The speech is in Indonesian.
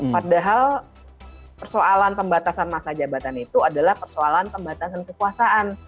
padahal persoalan pembatasan masa jabatan itu adalah persoalan pembatasan kekuasaan